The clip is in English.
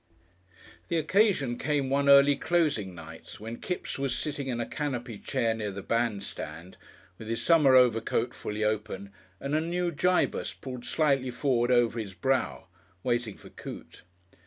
The occasion came one early closing night when Kipps was sitting in a canopy chair near the bandstand, with his summer overcoat fully open and a new Gibus pulled slightly forward over his brow, waiting for Coote.